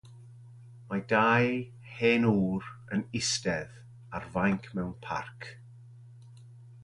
mae dau hen ŵr yn eistedd ar fainc mewn parc